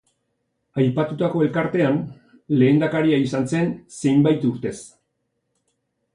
Aipaturiko elkartean lehendakaria izan zen zenbait urtez.